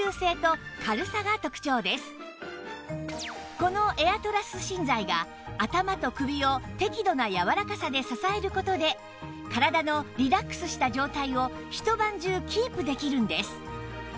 このエアトラス芯材が頭と首を適度な柔らかさで支える事で体のリラックスした状態をひと晩中キープできるんです